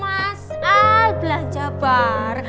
masal belajar bar